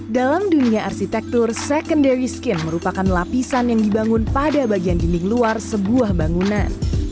dalam dunia arsitektur secondary skin merupakan lapisan yang dibangun pada bagian dinding luar sebuah bangunan